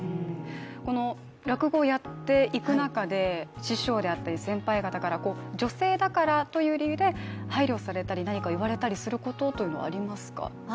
この落語をやっていく中で、師匠であったり先輩方から女性だからという理由で配慮されたり何か言われたりすることというのはありますか？